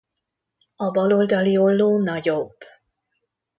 A bal oldali olló nagyobb.